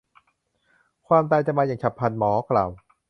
ความตายจะมาอย่างฉับพลัน หมอกล่าว